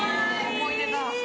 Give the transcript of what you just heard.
思い出だ。